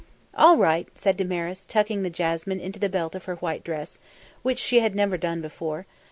"All right," said Damaris, tucking the jasmine into the belt of her white dress, which she had never done before.